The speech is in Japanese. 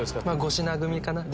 ５品組だな。